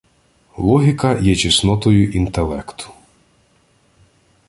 Логіка є чеснотою інтелекту.